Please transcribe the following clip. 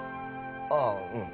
ああうん。